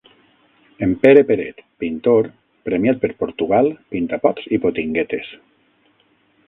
En Pere Peret, pintor, premiat per Portugal, pinta pots i potinguetes.